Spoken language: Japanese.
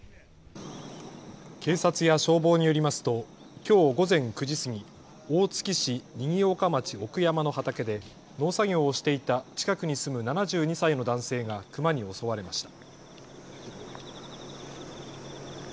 警察や消防によりますときょう午前９時過ぎ、大月市賑岡町奥山の畑で農作業をしていた近くに住む７２歳の男性がクマに襲われました。